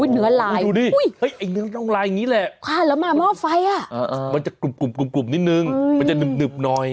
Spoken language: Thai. อู้ยเนื้อลายอุ๊ยความร้ำมาหม้อไฟอะมันจะกลุ่มนิดนึงมันจะหนึบหน่อย